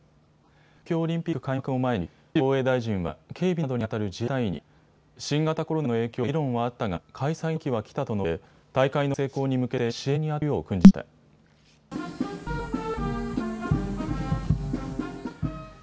東京オリンピック開幕を前に岸防衛大臣は警備などにあたる自衛隊員に新型コロナの影響で議論はあったが開催のときは来たと述べ、大会の成功に向けて支援にあたるよう訓示しました。